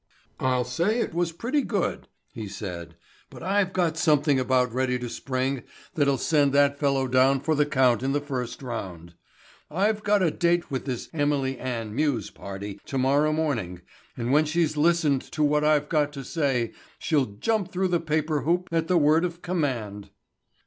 "I'll say it was pretty good," he said, "but I've got something about ready to spring that'll send that fellow down for the count in the first round. I've got a date with this Emily Ann Muse party tomorrow morning and when she's listened to what I've got to say she'll jump through the paper hoop at the word of command."